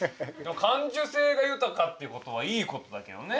かんじゅせいがゆたかっていうことはいいことだけどね。